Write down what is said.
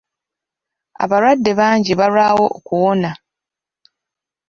Abalwadde bangi balwawo okuwona.